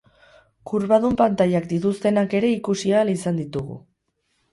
Kurbadun pantailak dituztenak ere ikusi ahal izan ditugu.